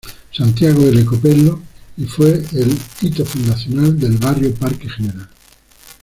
Santiago L. Copello y fue el hito fundacional del Barrio Parque Gral.